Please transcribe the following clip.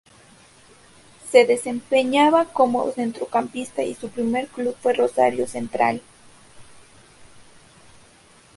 Se desempeñaba como centrocampista y su primer club fue Rosario Central.